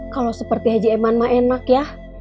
kalau seperti haji eman mah enak ya